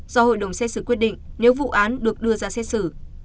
do hội đồng xét xử quyết định nếu vụ án được đưa ra xét xử